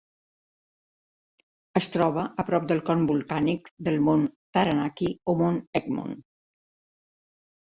Es troba a prop del con volcànic del Mont Taranaki o Mont Egmont.